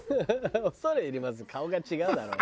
「“恐れ入ります”顔が違うだろ」